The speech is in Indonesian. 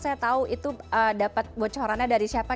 saya tahu itu dapat bocorannya dari siapa